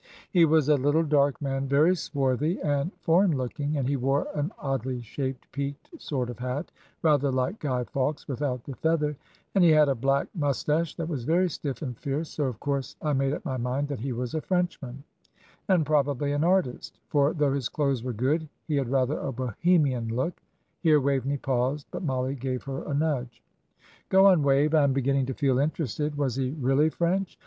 "He was a little dark man, very swarthy and foreign looking, and he wore an oddly shaped peaked sort of hat rather like Guy Fawkes' without the feather and he had a black moustache that was very stiff and fierce, so of course I made up my mind that he was a Frenchman, and probably an artist; for, though his clothes were good, he had rather a Bohemian look." Here Waveney paused, but Mollie gave her a nudge. "Go on, Wave. I am beginning to feel interested. Was he really French?"